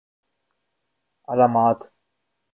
علامات